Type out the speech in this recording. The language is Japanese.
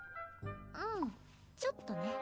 うんちょっとね。